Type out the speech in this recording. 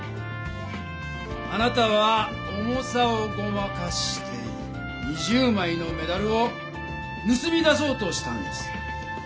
あなたは重さをごまかして２０枚のメダルをぬすみ出そうとしたんです。